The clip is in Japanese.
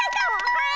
はい！